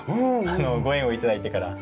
あのご縁を頂いてから。